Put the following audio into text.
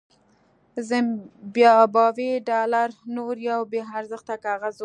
زیمبابويي ډالر نور یو بې ارزښته کاغذ و.